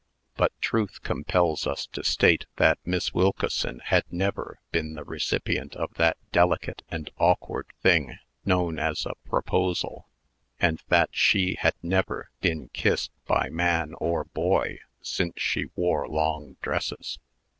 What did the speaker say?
But truth compels us to state that Miss Wilkeson had never been the recipient of that delicate and awkward thing known as a proposal, and that she had never been kissed by man or boy since she wore long dresses.